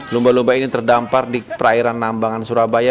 lumba lumba ini terdampar di perairan nambangan surabaya